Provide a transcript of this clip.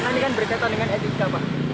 karena ini kan berkaitan dengan etika